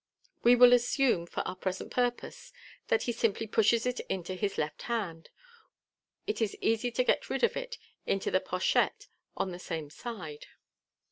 We will assume, for our present purpose, that he simply pushes it into his left hand, whence it is easy to get rid of it into the pochette on the same side.